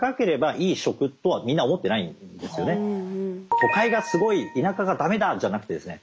都会がすごい田舎がだめだじゃなくてですね